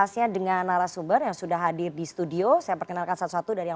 selamat tahun baru semuanya